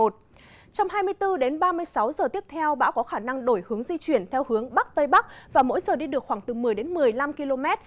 trong hai mươi bốn đến ba mươi sáu giờ tiếp theo bão có khả năng đổi hướng di chuyển theo hướng bắc tây bắc và mỗi giờ đi được khoảng từ một mươi đến một mươi năm km